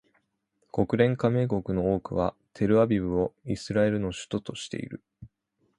国連加盟国の多くはテルアビブをイスラエルの首都としている